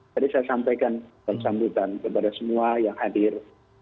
jadi saya sampaikan bertambutan kepada semua yang hadir